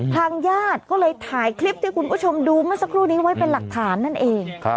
ทางญาติก็เลยถ่ายคลิปที่คุณผู้ชมดูเมื่อสักครู่นี้ไว้เป็นหลักฐานนั่นเอง